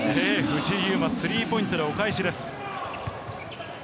藤井祐眞、スリーポイントでお返しです。